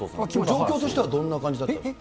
状況としてはどんな感じだっえっ？